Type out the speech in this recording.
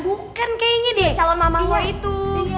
bukan kayaknya deh calon mamah lo itu